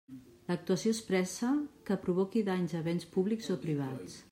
L'actuació expressa que provoqui danys a béns públics o privats.